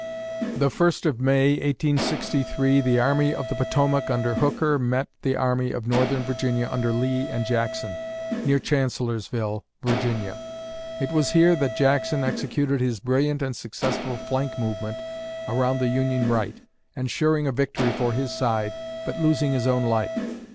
The first of May, 1863, the Army of the Potomac under Hooker met the Army of Northern Virginia under Lee and Jackson, near Chancellorsville, Virginia. It was here that Jackson executed his brilliant and successful flank movement around the Union right, ensuring a victory for his side but losing his own life.